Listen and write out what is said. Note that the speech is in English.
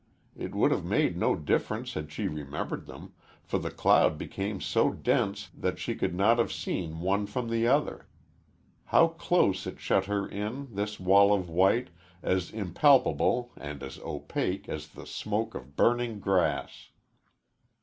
It would have made no difference had she remembered them, for the cloud became so dense that she could not have seen one from the other. How close it shut her in, this wall of white, as impalpable and as opaque as the smoke of burning grass!